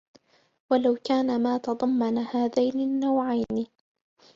وَلَوْ كَانَ مَا تَضَمَّنَ هَذَيْنِ النَّوْعَيْنِ